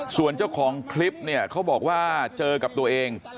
ส่วนเจ้าของคลิปเนี่ยเขาบอกว่าเจอกับตัวเอง